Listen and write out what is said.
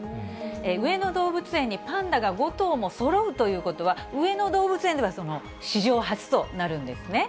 上野動物園にパンダが５頭もそろうということは、上野動物園では史上初となるんですね。